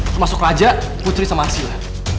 termasuk raja putri sama asila